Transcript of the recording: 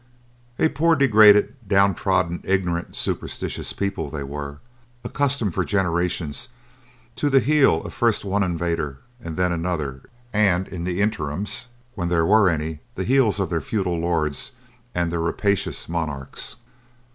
A poor, degraded, downtrodden, ignorant, superstitious people, they were; accustomed for generations to the heel of first one invader and then another and in the interims, when there were any, the heels of their feudal lords and their rapacious monarchs.